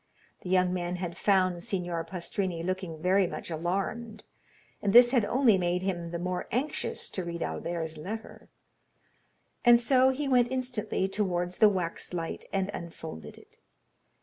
The young man had found Signor Pastrini looking very much alarmed, and this had only made him the more anxious to read Albert's letter; and so he went instantly towards the waxlight, and unfolded it.